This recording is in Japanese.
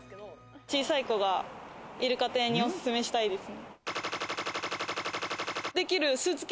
小さい子がいる家庭に、おすすめしたいです。